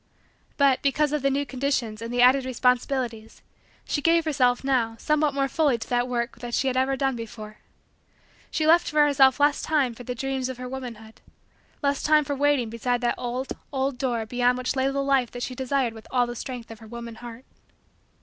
But, because of the new conditions and the added responsibilities, she gave herself, now, somewhat more fully to that work than she had ever done before. She left for herself less time for the dreams of her womanhood less time for waiting beside that old, old, door beyond which lay the life that she desired with all the strength of her woman heart.